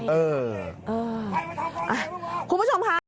เออคุณผู้ชมค่ะ